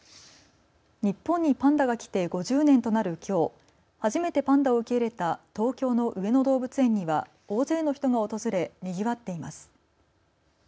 日本にパンダが来てきょうで５０年となるきょう初めてパンダを受け入れた東京の上野動物園には大勢の人が訪れにぎわっています。